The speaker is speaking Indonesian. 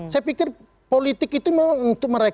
saya pikir politik itu memang untuk mereka